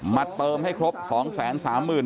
มาเติมให้ครบสองแสนสามหมื่น